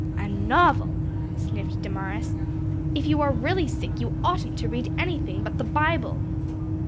"A novel!" sniffed Damaris. "If you are really sick you oughtn't to read anything but the Bible."